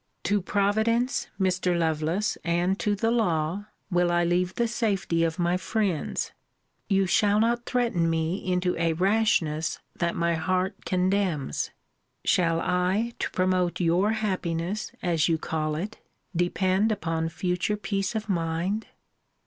To Providence, Mr. Lovelace, and to the law, will I leave the safety of my friends. You shall not threaten me into a rashness that my heart condemns! Shall I, to promote your happiness, as you call it, depend upon future peace of mind?